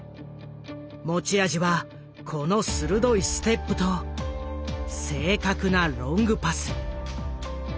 持ち味はこの鋭いステップと正確なロングパス。